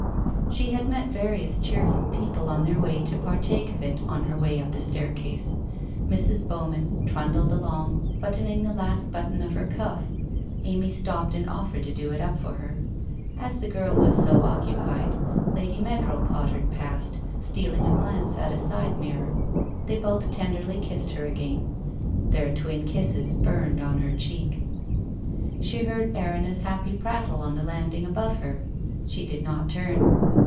She had met various cheerful people on their way to partake of it on her way up the staircase. Mrs. Bowman trundled along, buttoning the last button of her cuff. Amy stopped, and offered to do it up for her. As the girl was so occupied, Lady Meadrow pottered past, stealing a glance at a side mirror. They both tenderly kissed her again. Their twin kisses burned on her cheek. She heard Erinna's happy prattle on the landing above her. She did not turn.